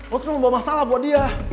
lo tuh ngebawa masalah buat dia